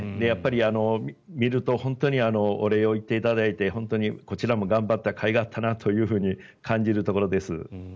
やっぱり診ると本当にお礼を言っていただいて本当にこちらも頑張ったかいがあったなと感じるところです。